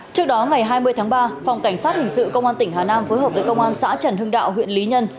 trước đó ngày hai mươi tháng ba phòng cảnh sát hình sự công an tỉnh hà nam phối hợp với công an xã trần hưng đạo huyện lý nhân